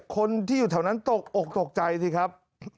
คนที่อยู่แถวนั้นตกอกตกใจสิครับ